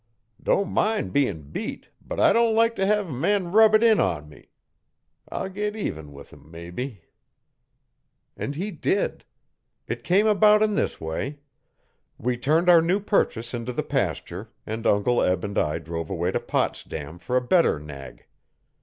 'Don't min' bein' beat, but I don't like t' hev a man rub it in on me. I'll git even with him mebbe.' And he did. It came about in this way. We turned our new purchase into the pasture, and Uncle Eb and I drove away to Potsdam for a better nag.